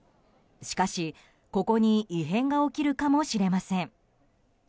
しかし、ここに異変が起きるかもしれません。